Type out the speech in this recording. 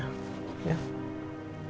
kamu kan harus masak